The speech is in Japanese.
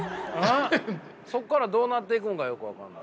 そこからどうなっていくのかよく分からない。